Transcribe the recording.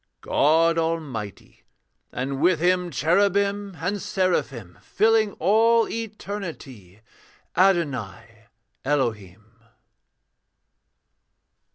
'God Almighty, and with Him Cherubim and Seraphim, Filling all eternity Adonai Elohim.'